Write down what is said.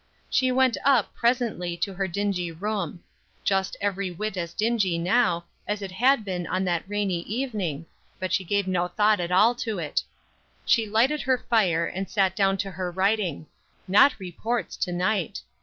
She went up, presently, to her dingy room. Just every whit as dingy now, as it had been on that rainy evening, but she gave no thought at all to it. She lighted her fire, and sat down to her writing; not reports to night.